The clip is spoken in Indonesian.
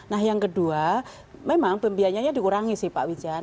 nah yang kedua memang pembiayanya dikurangi sih pak wijan